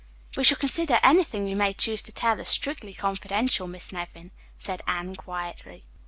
"We shall consider anything you may choose to tell us strictly confidential, Miss Nevin," said Anne quietly.